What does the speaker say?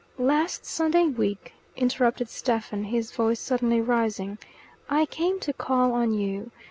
"Last Sunday week," interrupted Stephen, his voice suddenly rising, "I came to call on you.